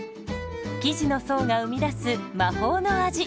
生地の層が生み出す魔法の味。